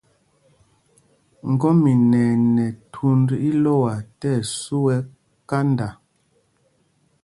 Ŋgɔ́mina ɛ nɛ thūnd ílɔ́a tí ɛsu ɛ́ kanda.